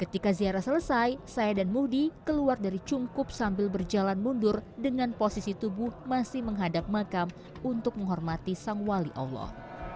ketika ziarah selesai saya dan muhdi keluar dari cungkup sambil berjalan mundur dengan posisi tubuh masih menghadap makam untuk menghormati sang wali allah